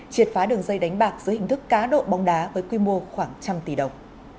triệt phá đường dây đánh bạc dưới hình thức cá độ bóng đá với quy mô khoảng trăm tỷ đồng